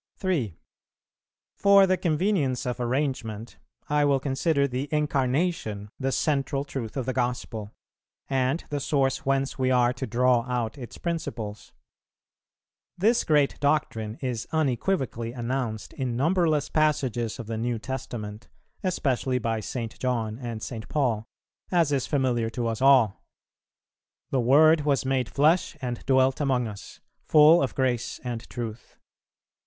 3. For the convenience of arrangement, I will consider the Incarnation the central truth of the gospel, and the source whence we are to draw out its principles. This great doctrine is unequivocally announced in numberless passages of the New Testament, especially by St. John and St. Paul; as is familiar to us all: "The Word was made flesh and dwelt among us, full of grace and truth."